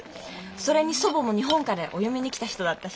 それに祖母も日本からお嫁に来た人だったし。